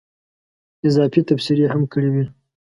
اضافي تبصرې هم کړې وې.